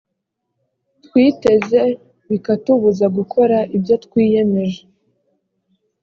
twiteze bikatubuza gukora ibyo twiyemeje